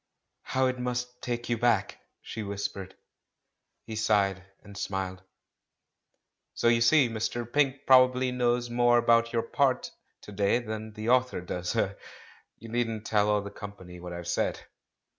"How it must take you back!" she whispered. He sighed — and smiled. "So, you see, Mr. Pink probably knows more about your part to day than the author does. — Er — you needn't tell all the company what I've said."